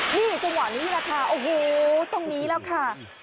นี่จังหวะนี้แหละค่ะโอ้โหตรงนี้แล้วค่ะ